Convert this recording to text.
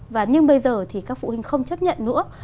và nhưng bây giờ thì các phụ huynh không chấp nhận nữa